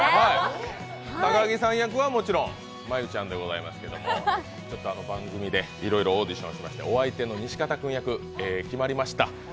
高木さん役はもちろん真悠ちゃんでございますけれども番組でいろいろオーディションしまして、お相手の西片君役、決まりました。